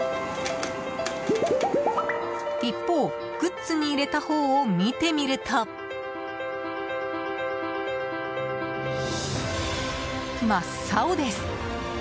一方、グッズに入れたほうを見てみると、真っ青です。